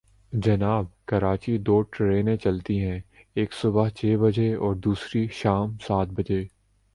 جناب، کراچی دو ٹرینیں چلتی ہیں، ایک صبح چھ بجے اور دوسری شام سات بجے۔